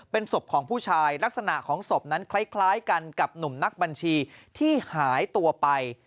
เป็นศพของผู้ชายลักษณะของศพนั้นคล้ายกันกับหนุ่มนักบัญชีที่หายตัวไป